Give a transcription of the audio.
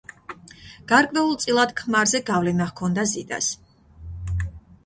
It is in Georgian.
გარკვეულწილად, ქმარზე გავლენა ჰქონდა ზიტას.